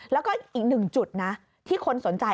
แล้วก็อีกหนึ่งจุดนะที่คนสนใจ